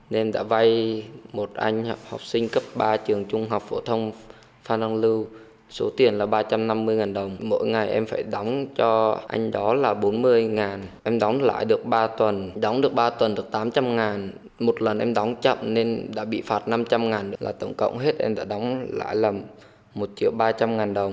nên đã bị phạt năm trăm linh ngàn là tổng cộng hết em đã đóng lãi là một triệu ba trăm linh ngàn đồng